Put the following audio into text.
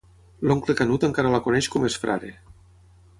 L'oncle Canut encara la coneix com es Frare.